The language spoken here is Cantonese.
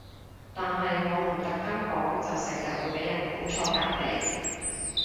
但係我唔特登講就成日會俾人估錯隔離